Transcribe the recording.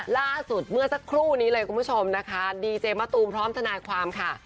ล่าสุดเมื่อสักครู่นี้เลยคุณผู้ชมนะคะ